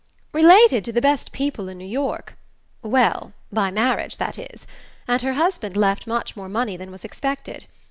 "Related to the best people in New York well, by marriage, that is; and her husband left much more money than was expected.